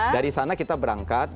dari sana kita berangkat